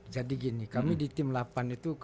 jadi gini kami di tim delapan itu